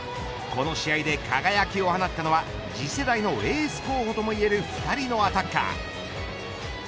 この試合で輝きを放ったのは次世代のエース候補ともいえる２人のアタッカー。